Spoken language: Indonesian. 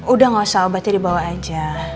udah gak usah obatnya dibawa aja